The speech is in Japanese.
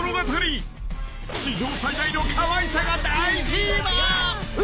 ［史上最大のかわいさが大フィーバー！］